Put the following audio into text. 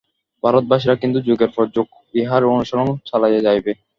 ভারতবাসীরা কিন্তু যুগের পর যুগ ইহার অনুশীলন চালাইয়া যাইবে।